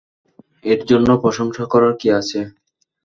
এরজন্য প্রশংসা করার কী আছে?